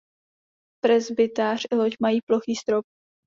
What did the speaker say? Presbytář i loď mají plochý strop.